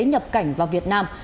nhập cảnh vào việt nam